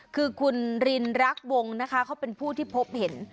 คือคุณรินรักวงนะคะเขาเป็นผู้ที่พบเห็น